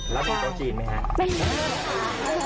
แล้วมีโต๊ะจีนมั้ยคะ